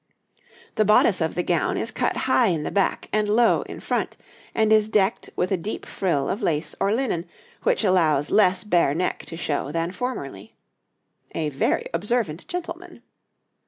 The bodice of the gown is cut high in the back and low in front, and is decked with a deep frill of lace or linen, which allows less bare neck to show than formerly. A very observant gentleman!